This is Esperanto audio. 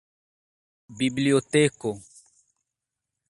biblioteko